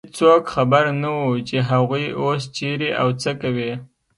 هېڅوک خبر نه و، چې هغوی اوس چېرې او څه کوي.